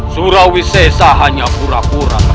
surawisesa hanya pura pura